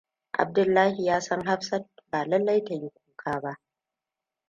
Abdullahi ya san Hafsat ba lallai ta yi kuka ba.